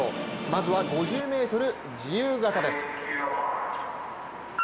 まずは５０ｍ自由形です。